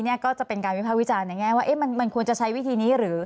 ทุกวันนี้ก็มีกล่อยอยู่๒ครั้ง